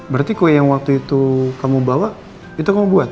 berarti kue yang waktu itu kamu bawa itu kamu buat